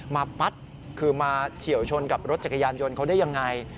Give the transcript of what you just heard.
ปัดคือมาเฉียวชนกับรถจักรยานยนต์เขาได้ยังไง